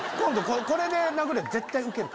これで殴れ絶対ウケるから。